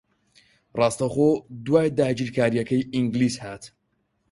ڕاستەوخۆ دوای داگیرکارییەکەی ئینگلیز ھات